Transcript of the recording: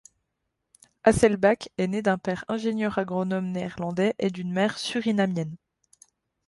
Hasselbach est né d'un père ingénieur agronome néerlandais et d'une mère surinamienne.